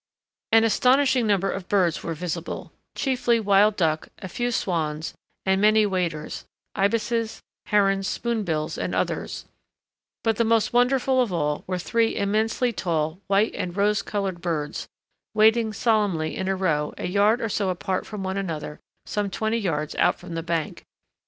An astonishing number of birds were visible chiefly wild duck, a few swans, and many waders ibises, herons, spoonbills, and others, but the most wonderful of all were three immensely tall white and rose coloured birds, wading solemnly in a row a yard or so apart from one another some twenty yards out from the bank.